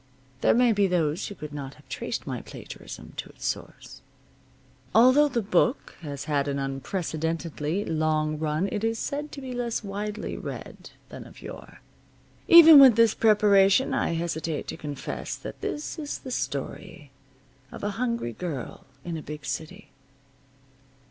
There may be those who could not have traced my plagiarism to its source. Although the Book has had an unprecedentedly long run it is said to be less widely read than of yore. Even with this preparation I hesitate to confess that this is the story of a hungry girl in a big city.